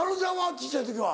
小っちゃい時は。